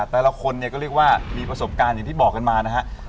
แต่ละคนเนี่ยก็เรียกว่ามีประสบการณ์อย่างที่บอกกันมานะฮะ